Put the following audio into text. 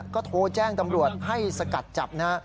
ก็โทรแจ้งตำรวจให้สกัดจับนะฮะ